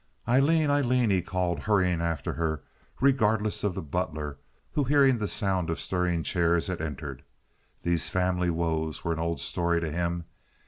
"Aileen! Aileen!" he called, hurrying after her, regardless of the butler, who, hearing the sound of stirring chairs, had entered. These family woes were an old story to him.